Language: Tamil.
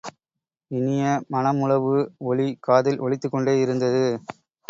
இனிய மண முழவு ஒலி காதில் ஒலித்துக் கொண்டே இருந்தது.